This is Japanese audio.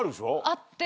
あって。